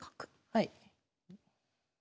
はい。